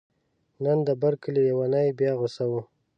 نن د بر کلي لیونی بیا غوصه و.